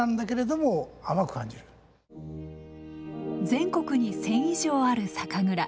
全国に１，０００以上ある酒蔵。